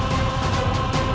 aku mau makan